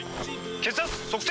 血圧測定！